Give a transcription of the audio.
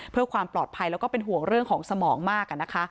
เพื่อความปลอดภัยแล้วก็เป็นห่วงเรื่องของสมองมากนะคะ